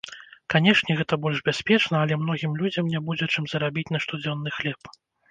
Канешне, гэта больш бяспечна, але многім людзям не будзе, чым зарабіць на штодзённы хлеб.